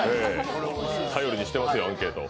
頼りにしてますよ、アンケート。